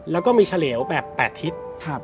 แล้วก็มีเฉลวแบบ๘ทิศ